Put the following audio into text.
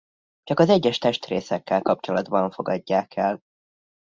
Csak az egyes testrészekkel kapcsolatban fogadják el.